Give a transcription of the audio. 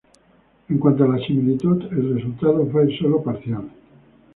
En cuanto a la similitud, el resultado fue sólo parcial.